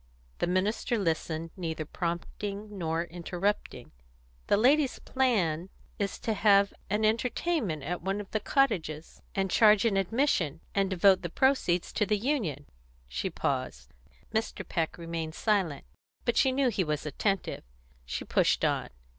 The minister listened, neither prompting nor interrupting. "The ladies' plan is to have an entertainment at one of the cottages, and charge an admission, and devote the proceeds to the union." She paused. Mr. Peck still remained silent, but she knew he was attentive. She pushed on.